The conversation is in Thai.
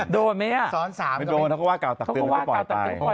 โดนไหมอ่ะไม่โดนถ้าเขาว่าเก่าตักเตือนมันก็ปล่อยไป